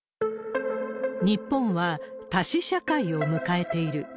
日本は多死社会を迎えている。